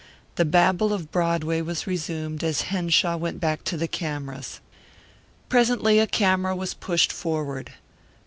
The babble of Broadway was resumed as Henshaw went back to the cameras. Presently a camera was pushed forward.